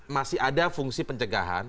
masih ada fungsi pencegahan